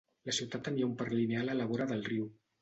La ciutat tenia un parc lineal a la vora del riu.